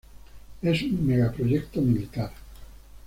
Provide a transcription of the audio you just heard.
Es un megaproyecto militar.